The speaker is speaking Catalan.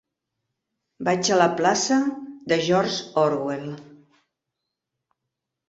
Vaig a la plaça de George Orwell.